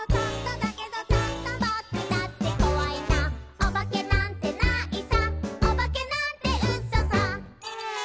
「おばけなんてないさおばけなんてうそさ」